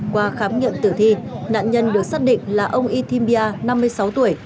qua khám nghiệm tử thi nạn nhân được xác định là ông y thim bia năm mươi sáu tuổi